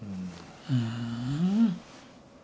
ふん。